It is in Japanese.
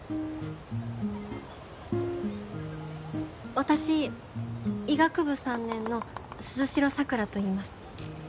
私医学部３年の鈴代桜といいます。